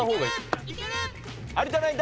有田ナイン